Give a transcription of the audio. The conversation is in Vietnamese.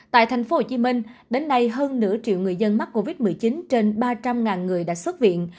tại tp hcm đến nay hơn nửa triệu người dân mắc covid một mươi chín trên ba trăm linh người đã xuất viện